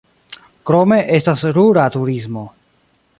Krome estas rura turismo.